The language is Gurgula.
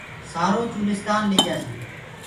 سآرو چولستآن ليجآسي